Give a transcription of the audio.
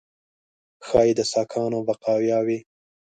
ښایي د ساکانو بقایاوي.